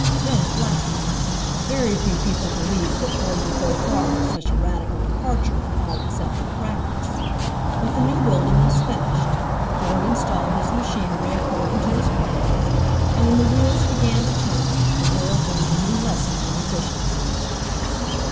Then it laughed. Very few peo ple believed that Ford would go far with such a radical departure from all accepted practice. But the new building was finished, Ford installed his machinery according to his plans, and when the wheels began to turn the world learned a new lesson in efficiency.